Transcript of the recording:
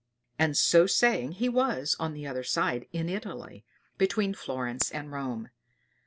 And so saying he was on the other side in Italy, between Florence and Rome.